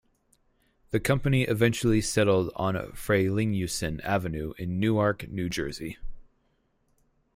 The company eventually settled on Frelinghuysen Avenue in Newark, New Jersey.